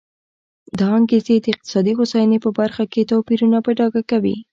دا انګېزې د اقتصادي هوساینې په برخه کې توپیرونه په ډاګه کوي.